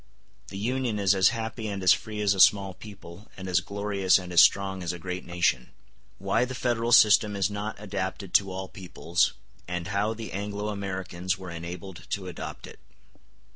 The Union is as happy and as free as a small people, and as glorious and as strong as a great nation. Why The Federal System Is Not Adapted To All Peoples, And How The Anglo Americans Were Enabled To Adopt It.